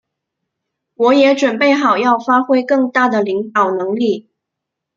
我也准备好要发挥更大的领导能力。